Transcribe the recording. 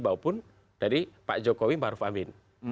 maupun dari pak jokowi pak ruf amin